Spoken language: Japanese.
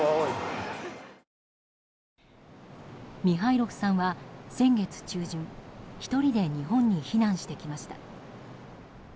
ミハイロフさんは先月中旬１人で日本に避難してきました。